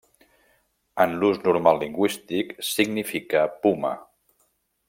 En l'ús normal lingüístic significa puma.